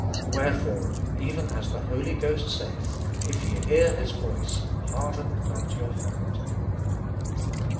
Wherefore, even as the Holy Ghost saith, If ye hear His voice, harden not your heart.